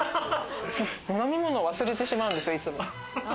飲み物忘れてしまうんですよ、いつも。